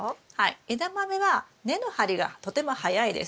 エダマメは根の張りがとても早いです。